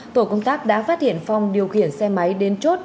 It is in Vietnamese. tổ công tác đã phát hiện phong điều khiển xe máy đến chốt